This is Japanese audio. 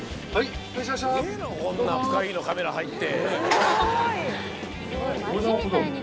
こんな『深イイ』のカメラ入って。